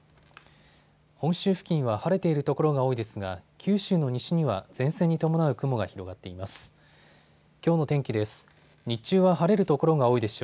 本州付近は晴れている所が多いですが九州の西には前線に伴う雲が広がっています。